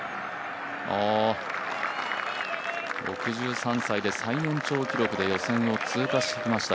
６３歳で最年長記録で予選を通過しました。